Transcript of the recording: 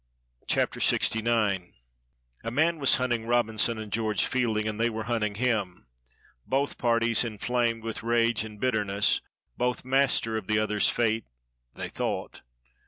CHAPTER LXIX. A MAN was hunting Robinson and George Fielding, and they were hunting him. Both parties inflamed with rage and bitterness; both master of the other's fate, they thought.